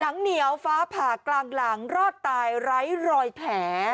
งเหนียวฟ้าผ่ากลางหลังรอดตายไร้รอยแผล